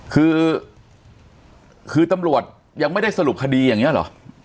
คือคือตำรวจยังไม่ได้สรุปคดีอย่างนี้เหรอ